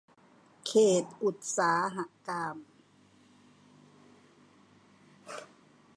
เขตอุตสาหกรรม